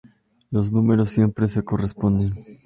Los números siempre se corresponden.